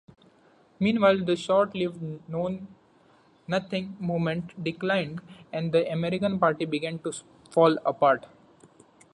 Meanwhile, the short-lived Know-Nothing movement declined and the American Party began to fall apart.